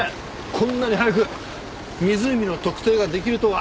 こんなに早く湖の特定が出来るとは。